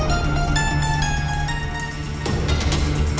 i kukagal kakyut liya